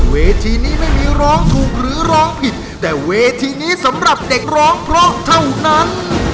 เวทีนี้ไม่มีร้องถูกหรือร้องผิดแต่เวทีนี้สำหรับเด็กร้องเพราะเท่านั้น